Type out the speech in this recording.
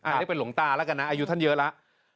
อันนี้เป็นหลวงตาแล้วกันนะอายุท่านเยอะแล้ว